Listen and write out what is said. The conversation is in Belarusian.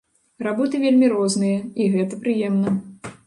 Работы вельмі розныя, і гэта прыемна.